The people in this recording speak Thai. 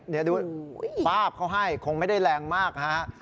เดี๋ยวดูป้าบเขาให้คงไม่ได้แรงมากฮะ